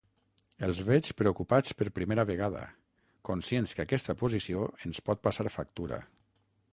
Els veig preocupats per primera vegada, conscients que aquesta posició ens pot passar factura.